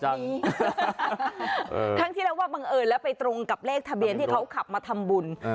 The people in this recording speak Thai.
ใช่เลขนี้ทั้งที่เราว่าบังเอิญแล้วไปตรงกับเลขทะเบียนที่เขาขับมาทำบุญ